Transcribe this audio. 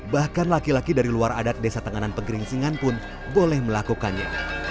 bahkan laki laki dari luar adat desa tenganan pegeringsingan pun boleh melakukannya